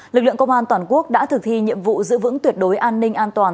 lực lượng công an toàn quốc đã thực thi nhiệm vụ giữ vững tuyệt đối an ninh an toàn